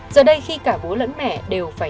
giờ đây khi cả bố lẫn mẹ đều phải